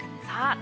さあ